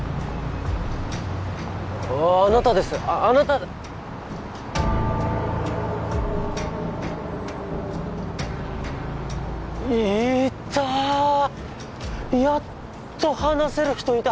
あなたですあなたいたやっと話せる人いた